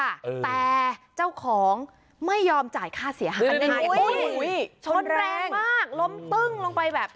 แต่เจ้าของไม่ยอมจ่ายค่าเสียหา